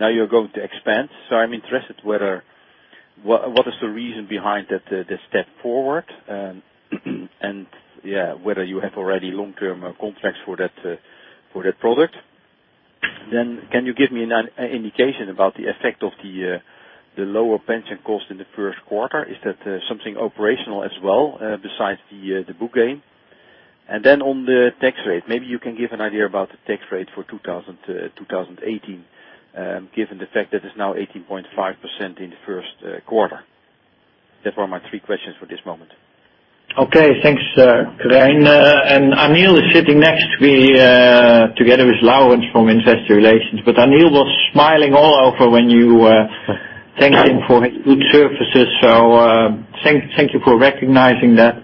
Now you're going to expand. I'm interested what is the reason behind that step forward, and whether you have already long-term contracts for that product. Can you give me an indication about the effect of the lower pension cost in the first quarter? Is that something operational as well, besides the book gain? On the tax rate, maybe you can give an idea about the tax rate for 2018, given the fact that it's now 18.5% in the first quarter. Those were my three questions for this moment. Okay. Thanks, Carine. Anil is sitting next to me, together with Laurens from investor relations. Anil was smiling all over when you thanked him for his good services. Thank you for recognizing that.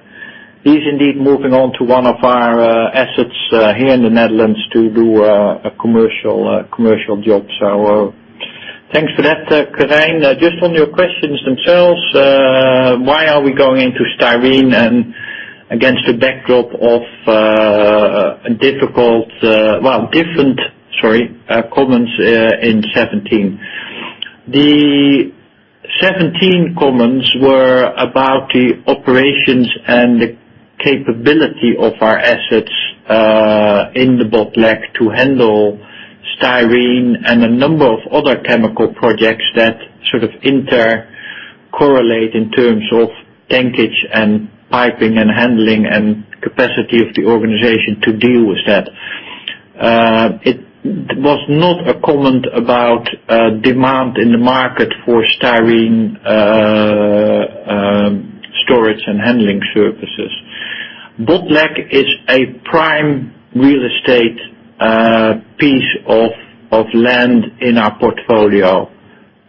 He's indeed moving on to one of our assets here in the Netherlands to do a commercial job. Thanks for that, Carine. Just on your questions themselves, why are we going into styrene and against a backdrop of different comments in 2017. The 2017 comments were about the operations and the capability of our assets in the Botlek to handle styrene and a number of other chemical projects that sort of intercorrelate in terms of tankage and piping and handling and capacity of the organization to deal with that. It was not a comment about demand in the market for styrene storage and handling services. Botlek is a prime real estate piece of land in our portfolio.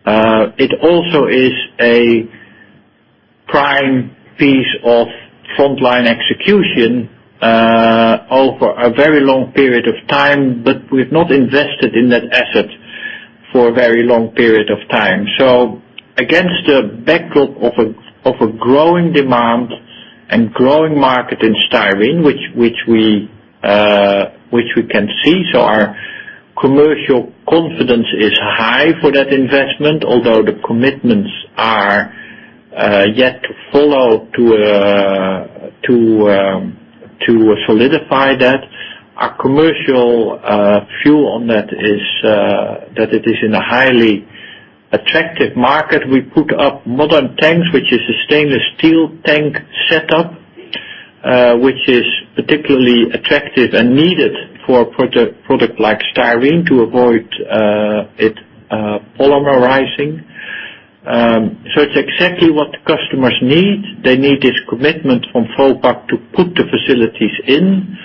It also is a prime piece of frontline execution over a very long period of time, we've not invested in that asset for a very long period of time. Against a backdrop of a growing demand and growing market in styrene, which we can see. Our commercial confidence is high for that investment, although the commitments are yet to follow to solidify that. Our commercial view on that is that it is in a highly attractive market. We put up modern tanks, which is a stainless steel tank setup, which is particularly attractive and needed for a product like styrene to avoid it polymerizing. It's exactly what the customers need. They need this commitment from Vopak to put the facilities in,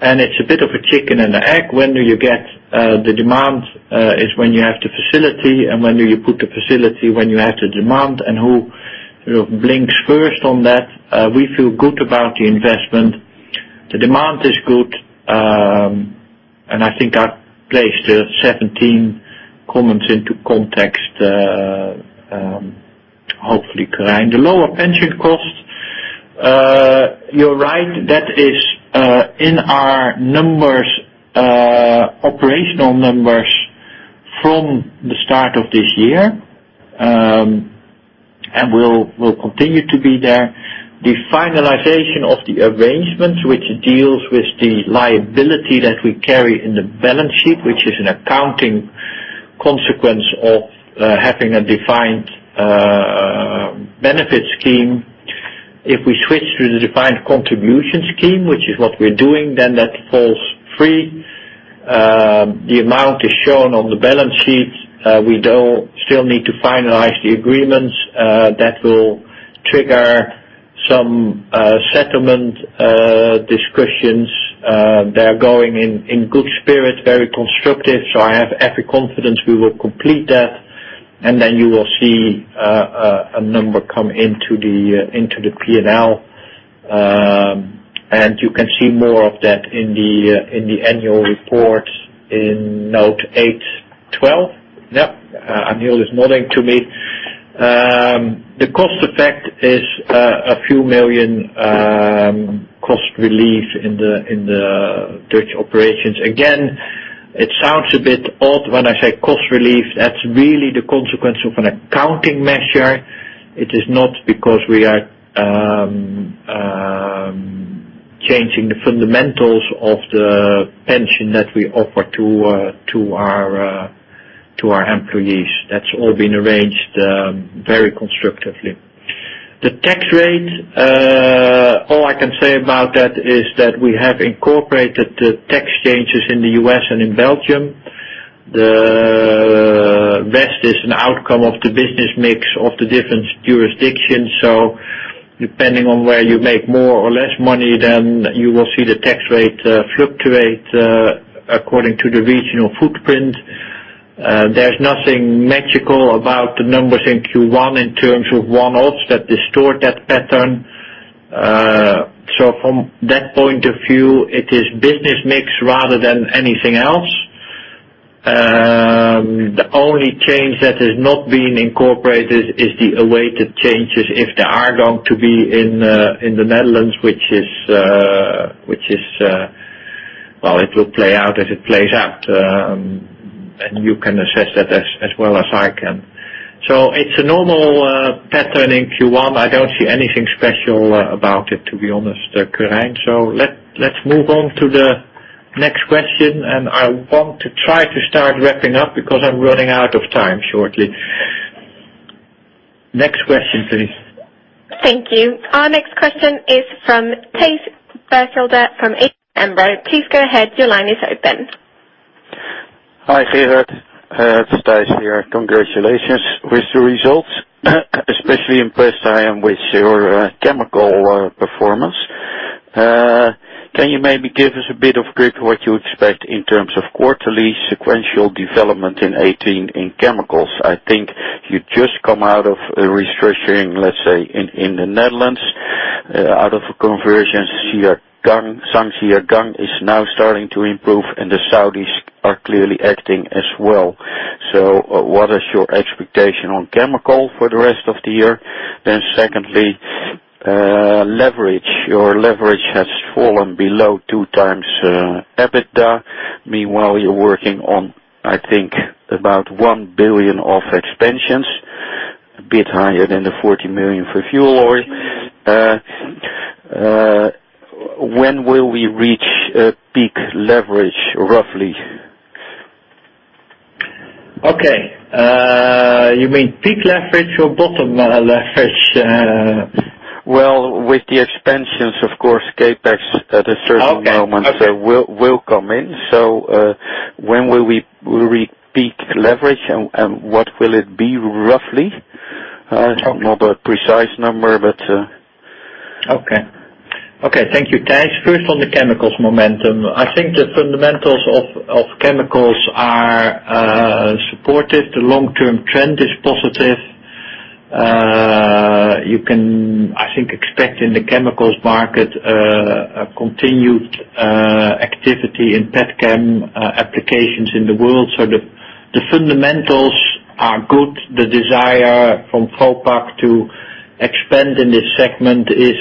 and it's a bit of a chicken and an egg. When do you get the demand? It's when you have the facility. When do you put the facility? When you have the demand. Who blinks first on that? We feel good about the investment. The demand is good. I think I placed the 2017 comments into context, hopefully, Carine. The lower pension cost. You're right, that is in our operational numbers from the start of this year, and will continue to be there. The finalization of the arrangements, which deals with the liability that we carry in the balance sheet, which is an accounting consequence of having a defined benefit scheme. If we switch to the defined contribution scheme, which is what we're doing, that falls free. The amount is shown on the balance sheet. We still need to finalize the agreements that will trigger some settlement discussions. They're going in good spirit, very constructive. I have every confidence we will complete that. Then you will see a number come into the P&L. You can see more of that in the annual report in note 812. Anil is nodding to me. The cost effect is a few million cost relief in the Dutch operations. Again, it sounds a bit odd when I say cost relief. That is really the consequence of an accounting measure. It is not because we are changing the fundamentals of the pension that we offer to our employees. That has all been arranged very constructively. The tax rate. All I can say about that is that we have incorporated the tax changes in the U.S. and in Belgium. The rest is an outcome of the business mix of the different jurisdictions. Depending on where you make more or less money, then you will see the tax rate fluctuate according to the regional footprint. There is nothing magical about the numbers in Q1 in terms of one-offs that distort that pattern. From that point of view, it is business mix rather than anything else. The only change that has not been incorporated is the awaited changes, if they are going to be in the Netherlands. It will play out as it plays out. You can assess that as well as I can. It is a normal pattern in Q1. I do not see anything special about it, to be honest, Carine. Let us move on to the next question. I want to try to start wrapping up because I am running out of time shortly. Next question, please. Thank you. Our next question is from Thijs Berkelder from ABN AMRO. Please go ahead. Your line is open. Hi, Gerard. It is Thijs here. Congratulations with the results. Especially impressed I am with your chemical performance. Can you maybe give us a bit of grip what you expect in terms of quarterly sequential development in 2018 in chemicals? I think you just come out of a restructuring, let us say, in the Netherlands, out of a conversion. Zhangjiagang is now starting to improve, and the Saudis are clearly acting as well. What is your expectation on chemical for the rest of the year? Secondly, leverage. Your leverage has fallen below two times EBITDA. Meanwhile, you are working on, I think, about 1 billion of expansions, a bit higher than the 40 million for fuel oil. When will we reach peak leverage, roughly? Okay. You mean peak leverage or bottom leverage? Well, with the expansions, of course, CapEx at a certain moment Okay. will come in. When will we peak leverage, and what will it be, roughly? Not a precise number. Okay. Thank you, Thijs. First, on the chemicals momentum. I think the fundamentals of chemicals are supportive. The long-term trend is positive. You can, I think, expect in the chemicals market, a continued activity in petchem applications in the world. The fundamentals are good. The desire from Vopak to expand in this segment is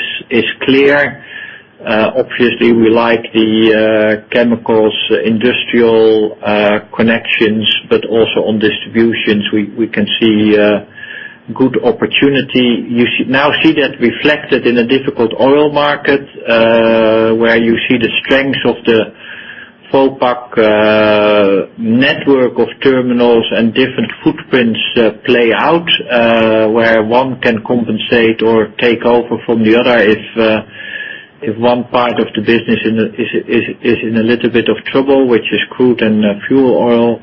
clear. Obviously, we like the chemicals industrial connections, but also on distributions, we can see good opportunity. You now see that reflected in a difficult oil market, where you see the strength of the Vopak network of terminals and different footprints play out, where one can compensate or take over from the other if one part of the business is in a little bit of trouble, which is crude and fuel oil.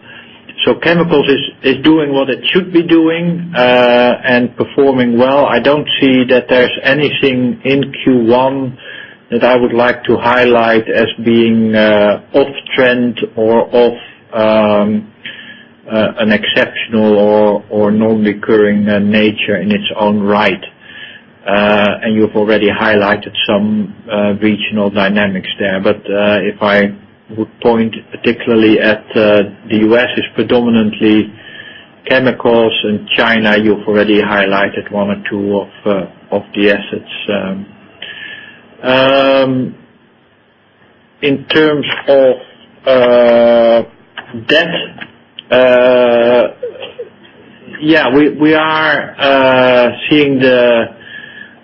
Chemicals is doing what it should be doing, and performing well. I don't see that there's anything in Q1 that I would like to highlight as being off trend or off an exceptional or non-recurring nature in its own right. You've already highlighted some regional dynamics there. If I would point particularly at the U.S. is predominantly chemicals, and China, you've already highlighted one or two of the assets. In terms of debt, we are seeing the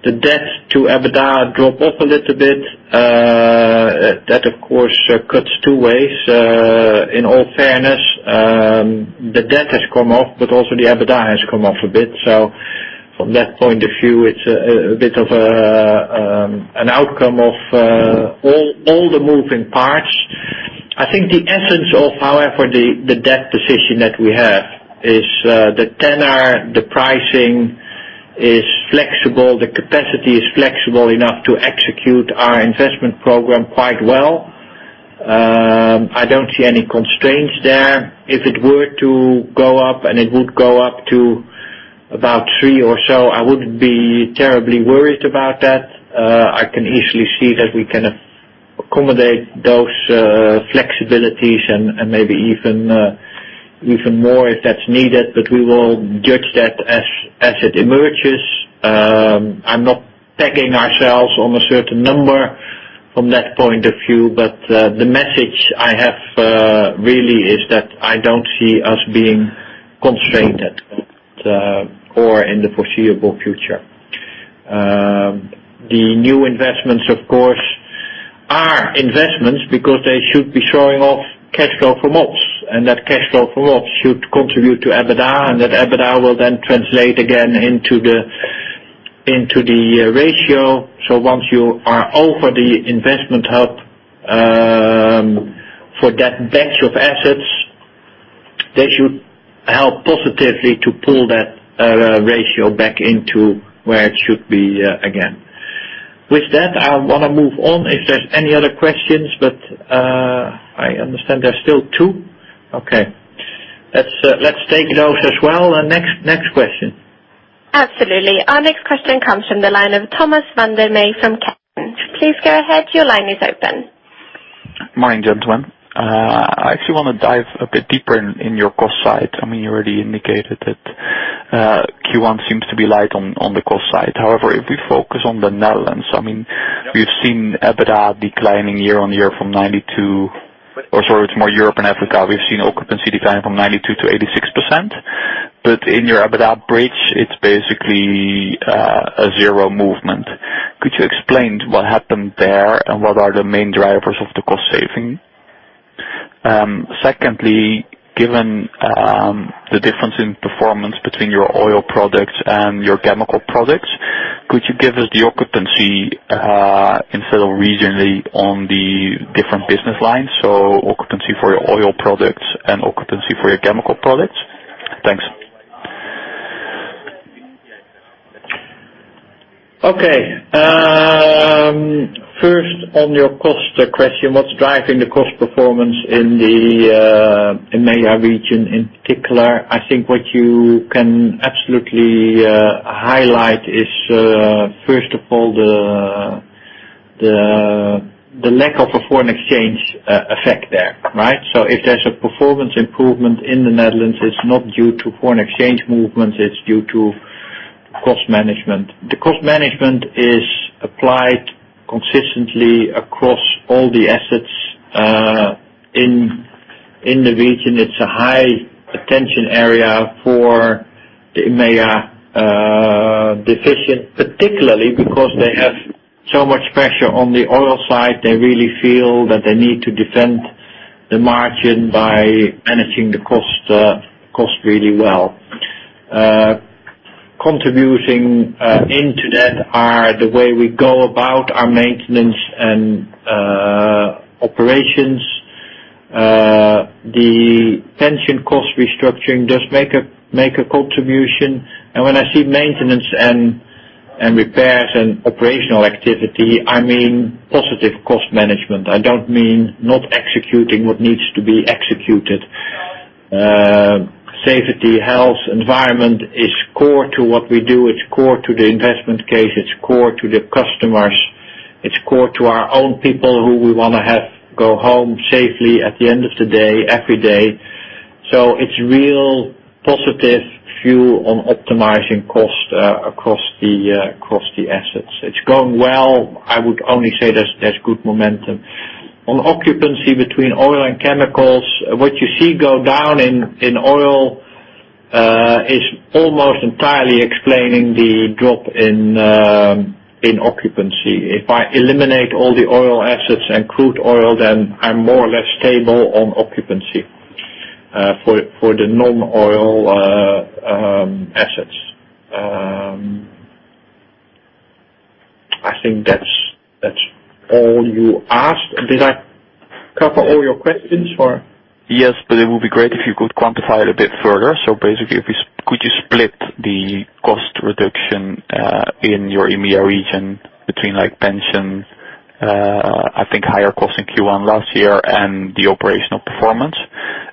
debt to EBITDA drop off a little bit. That, of course, cuts two ways. In all fairness, the debt has come off, but also the EBITDA has come off a bit. From that point of view, it's a bit of an outcome of all the moving parts. I think the essence of, however, the debt decision that we have is the tenor, the pricing is flexible, the capacity is flexible enough to execute our investment program quite well. I don't see any constraints there. If it were to go up and it would go up to about three or so, I wouldn't be terribly worried about that. I can easily see that we can accommodate those flexibilities and maybe even more if that's needed, but we will judge that as it emerges. I'm not tagging ourselves on a certain number from that point of view. The message I have really is that I don't see us being constrained at, or in the foreseeable future. The new investments, of course, are investments because they should be showing off cash flow from ops, and that cash flow from ops should contribute to EBITDA, and that EBITDA will then translate again into the ratio. Once you are over the investment hub, for that bank of assets, they should help positively to pull that ratio back into where it should be again. With that, I want to move on. If there's any other questions, but I understand there's still two. Okay. Let's take those as well. Next question. Absolutely. Our next question comes from the line of Thomas Vandermay from Kempen. Please go ahead. Your line is open. Morning, gentlemen. I actually want to dive a bit deeper in your cost side. You already indicated that Q1 seems to be light on the cost side. However, if we focus on the Netherlands- Yep We've seen EBITDA declining year-on-year from 92. Or sorry, it's more Europe & Africa. We've seen occupancy decline from 92% to 86%. In your EBITDA bridge, it's basically a 0 movement. Could you explain what happened there and what are the main drivers of the cost saving? Secondly, given the difference in performance between your oil products and your chemical products, could you give us the occupancy, instead of regionally on the different business lines, so occupancy for your oil products and occupancy for your chemical products? Thanks. Okay. First, on your cost question, what's driving the cost performance in the EMEA region in particular? I think what you can absolutely highlight is, first of all, the lack of a foreign exchange effect there, right? If there's a performance improvement in the Netherlands, it's not due to foreign exchange movements, it's due to cost management. The cost management is applied consistently across all the assets, in the region. It's a high attention area for the EMEA division, particularly because they have so much pressure on the oil side. They really feel that they need to defend the margin by managing the cost really well. Contributing into that are the way we go about our maintenance and operations. The pension cost restructuring does make a contribution. When I see maintenance and repairs and operational activity, I mean positive cost management. I don't mean not executing what needs to be executed. Safety, health, environment is core to what we do, it's core to the investment case, it's core to the customers, it's core to our own people who we want to go home safely at the end of the day, every day. It's real positive view on optimizing cost across the assets. It's going well. I would only say there's good momentum. On occupancy between oil and chemicals, what you see go down in oil is almost entirely explaining the drop in occupancy. If I eliminate all the oil assets and crude oil, then I'm more or less stable on occupancy for the non-oil assets. I think that's all you asked. Did I cover all your questions or? Yes, but it would be great if you could quantify it a bit further. Basically, could you split the cost reduction in your EMEA region between pension, I think higher cost in Q1 last year and the operational performance?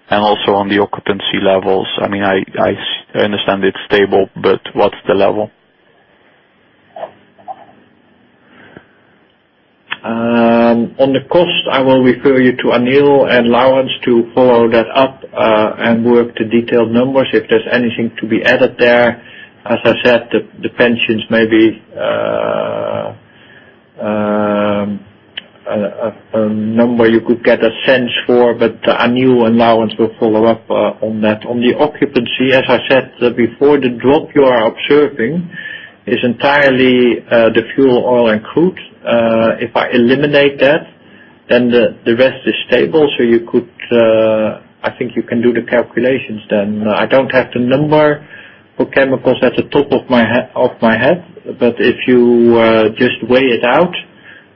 Also on the occupancy levels, I understand it's stable, but what's the level? On the cost, I will refer you to Anil and Laurens to follow that up and work the detailed numbers if there's anything to be added there. As I said, the pensions may be a number you could get a sense for, but Anil and Laurens will follow up on that. On the occupancy, as I said before, the drop you are observing is entirely the fuel oil and crude. If I eliminate that, then the rest is stable. I think you can do the calculations then. I don't have the number for chemicals at the top of my head, but if you just weigh it out,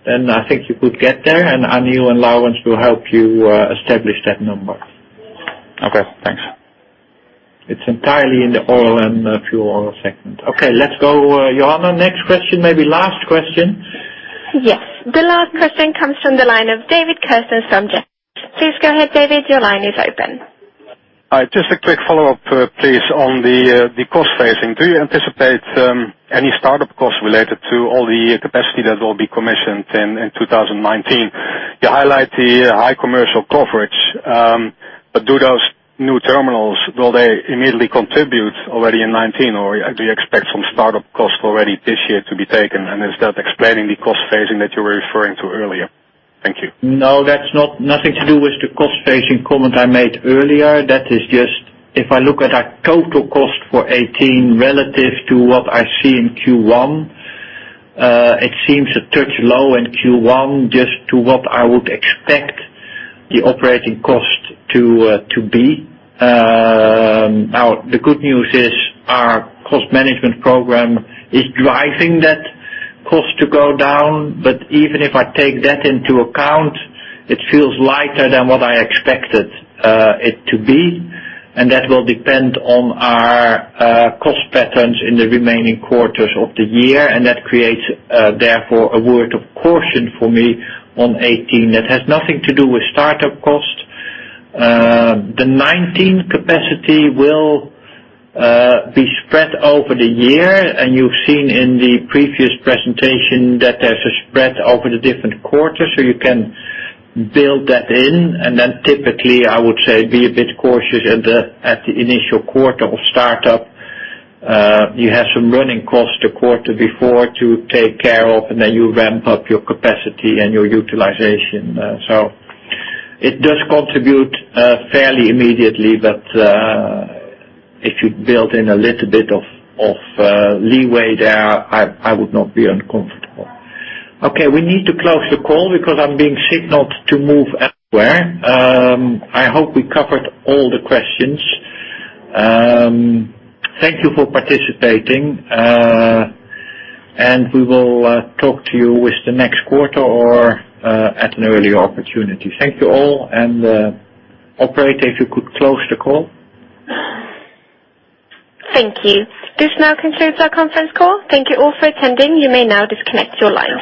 then I think you could get there, Anil and Laurens will help you establish that number. Okay, thanks. It's entirely in the oil and fuel oil segment. Okay, let's go. Johanna, next question, maybe last question. Yes. The last question comes from the line of David Kerstens from. Please go ahead, David, your line is open. Just a quick follow-up, please, on the cost phasing. Do you anticipate any startup costs related to all the capacity that will be commissioned in 2019? You highlight the high commercial coverage, but do those new terminals, will they immediately contribute already in 2019, or do you expect some startup costs already this year to be taken, and is that explaining the cost phasing that you were referring to earlier? Thank you. No, that's nothing to do with the cost phasing comment I made earlier. That is just, if I look at our total cost for 2018 relative to what I see in Q1, it seems a touch low in Q1 just to what I would expect the operating cost to be. The good news is our cost management program is driving that cost to go down. Even if I take that into account, it feels lighter than what I expected it to be, and that will depend on our cost patterns in the remaining quarters of the year, and that creates, therefore, a word of caution for me on 2018. That has nothing to do with startup costs. The 2019 capacity will be spread over the year, and you've seen in the previous presentation that there's a spread over the different quarters, so you can build that in. Typically, I would say be a bit cautious at the initial quarter of startup. You have some running cost the quarter before to take care of, and then you ramp up your capacity and your utilization. It does contribute fairly immediately, but if you build in a little bit of leeway there, I would not be uncomfortable. Okay, we need to close the call because I'm being signaled to move elsewhere. I hope we covered all the questions. Thank you for participating, and we will talk to you with the next quarter or at an earlier opportunity. Thank you all. Operator, if you could close the call. Thank you. This now concludes our conference call. Thank you all for attending. You may now disconnect your lines.